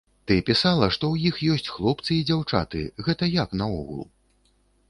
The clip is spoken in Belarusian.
Ты пісала, што ў іх ёсць хлопцы і дзяўчаты, гэта як наогул?